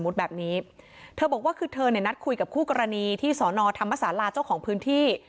เธอบอกว่าคือเธอนั้นคุยกับคู่กรณีที่สอนอธรรมสาราเจ้าของพื้นที่